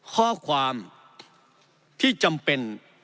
ข้อความที่จำเป็น